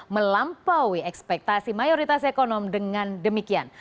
melampaui ekspektasi mayoritas ekonomi dengan demikian